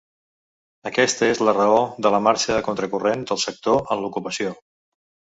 Aquesta és la raó de la marxa a contracorrent del sector en l’ocupació.